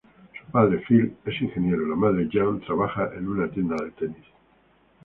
Su padre, Phil es ingeniero, la madre, Jan, trabaja en una tienda de tenis.